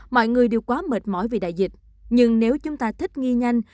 mọi người đều quá mệt mỏi vì đại dịch nhưng nếu chúng ta thích nghi nhanh